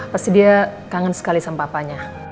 pasti dia kangen sekali sama papanya